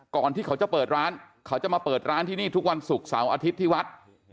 ก่อนที่เขาจะเปิดร้านเขาจะมาเปิดร้านที่นี่ทุกวันศุกร์เสาร์อาทิตย์ที่วัด